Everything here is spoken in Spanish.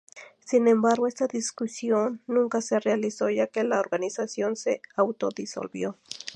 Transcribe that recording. Sin embargo esta discusión nunca se realizó ya que la organización se autodisolvió.